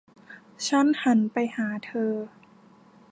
ฉันหันไปหาเธอ